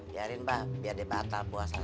biarin mbah biar dia bakal puas lagi